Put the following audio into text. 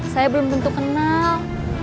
saya belum tentu kenal